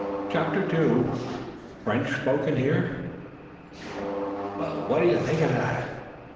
CHAPTER II "FRENCH SPOKEN HERE" "Well, what do you think of that?"